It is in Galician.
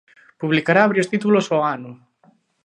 Publicará varios títulos ao ano.